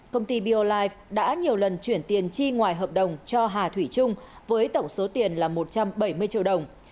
công ty bio life đã nhiều lần chuyển tiền chi ngoài hợp đồng cho hà thủy trung với tổng số tiền là một trăm bảy mươi triệu đồng